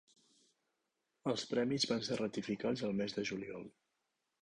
Els premis van ser ratificats el mes de juliol.